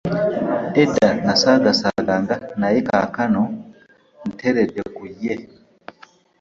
Edda nasagaasaganga naye kaakano nteredde ku ye.